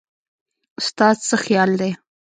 ستا څه خيال دی